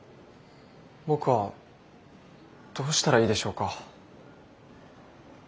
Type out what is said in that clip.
僕はどうしたらいいでしょうか。